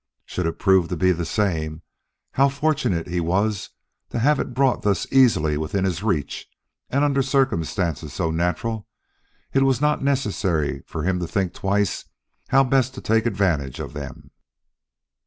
Should it prove to be that same, how fortunate he was to have it brought thus easily within his reach and under circumstances so natural it was not necessary for him to think twice how best to take advantage of them.